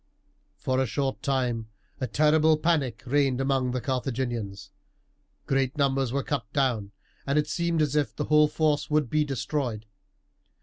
For a short time a terrible panic reigned among the Carthaginians, great numbers were cut down, and it seemed as if the whole force would be destroyed.